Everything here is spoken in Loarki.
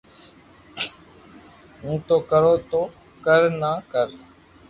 ھون تو ڪرو تو ڪر ني ڪر